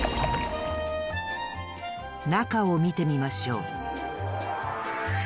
なかをみてみましょう。